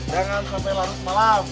jangan sampai malam